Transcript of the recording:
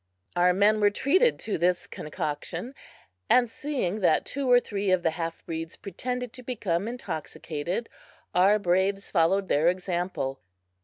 Our men were treated to this concoction; and seeing that two or three of the half breeds pretended to become intoxicated, our braves followed their example.